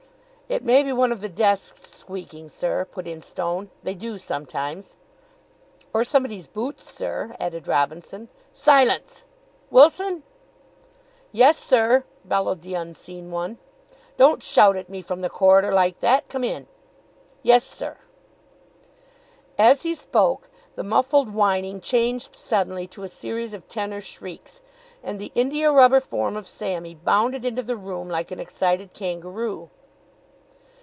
"It may be one of the desks squeaking, sir," put in Stone. "They do sometimes." "Or somebody's boots, sir," added Robinson. "Silence! Wilson?" "Yes, sir?" bellowed the unseen one. "Don't shout at me from the corridor like that. Come in." "Yes, sir!" As he spoke the muffled whining changed suddenly to a series of tenor shrieks, and the india rubber form of Sammy bounded into the room like an excited kangaroo.